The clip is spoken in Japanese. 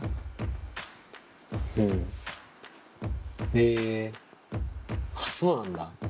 へえあっそうなんだ。